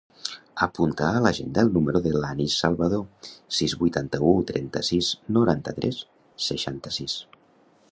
Apunta a l'agenda el número de l'Anis Salvador: sis, vuitanta-u, trenta-sis, noranta-tres, seixanta-sis.